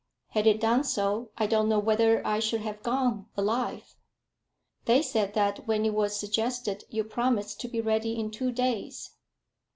"Had it done so, I don't know whether I should have gone alive." "They said that when it was suggested, you promised to be ready in two days."